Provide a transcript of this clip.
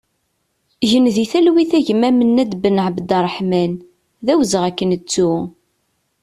Gen di talwit a gma Menad Benabderreḥman, d awezɣi ad k-nettu!